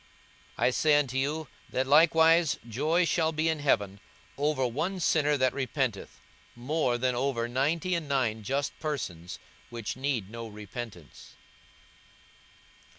42:015:007 I say unto you, that likewise joy shall be in heaven over one sinner that repenteth, more than over ninety and nine just persons, which need no repentance.